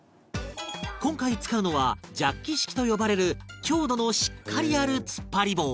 今回使うのはジャッキ式と呼ばれる強度のしっかりある突っ張り棒